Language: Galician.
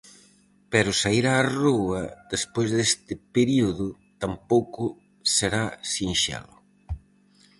Pero saír á rúa, despois deste período, tampouco será sinxelo.